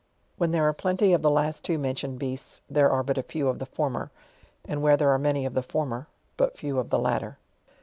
When there are plenty of the two last mentioned beasts there are but a few of the former, and where there are many of the former, but few of the latter.